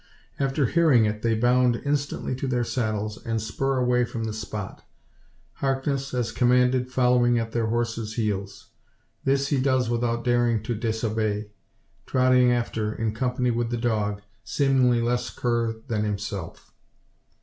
After hearing it they bound instantly to their saddles, and spur away from the spot; Harkness, as commanded, following at their horses' heels. This he does without daring to disobey; trotting after, in company with the dog, seemingly less cur than himself.